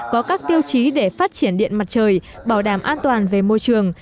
có các tiêu chí để phát triển điện mặt trời bảo đảm an toàn về môi trường